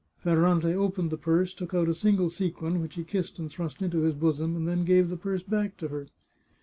Ferrante opened the purse, took out a single sequin, which he kissed and thrust into his bosom, and then gave the purse back to her.